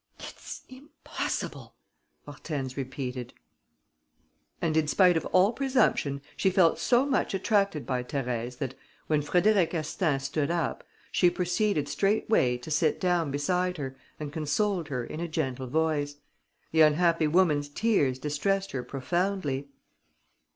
"It's impossible!" Hortense repeated. And, in spite of all presumption, she felt so much attracted by Thérèse that, when Frédéric Astaing stood up, she proceeded straightway to sit down beside her and consoled her in a gentle voice. The unhappy woman's tears distressed her profoundly.